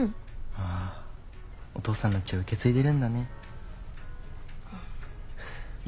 ああお父さんの血を受け継いでいるんだね。